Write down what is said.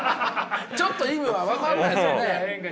ちょっと意味は分かんないですよね。